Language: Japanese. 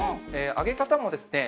揚げ方もですね